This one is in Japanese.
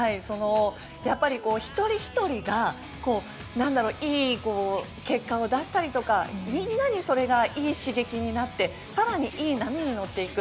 やっぱり一人ひとりがいい結果を出したりとかみんなにそれがいい刺激になって更にいい波に乗っていく。